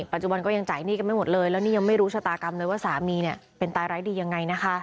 ปัจจุบันก็ยังจ่ายหนี้กันไม่หมดเลยแล้วนี่ยังไม่รู้ชะตากรรมเลยว่าสามีเป็นตายร้ายดียังไงนะคะ